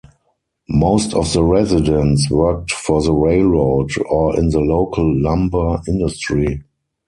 Most of the residents worked for the railroad or in the local lumber industry.